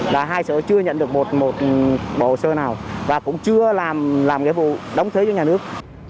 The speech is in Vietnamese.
là hai sở chưa nhận được một hồ sơ nào và cũng chưa làm nghĩa vụ đóng thuế cho nhà nước